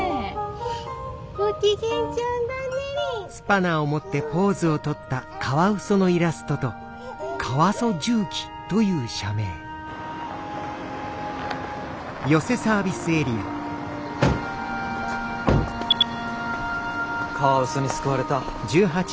ご機嫌ちゃんだね蓮くん。カワウソに救われた。